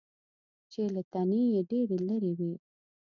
چې له تنې یې ډېرې لرې وي .